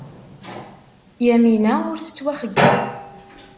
Yamina ur tettwaxeyyeb.